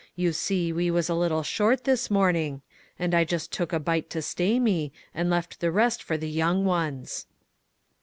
You see we was a little short this morning, and I just took a bite to stay me, and left the rest for the young ones."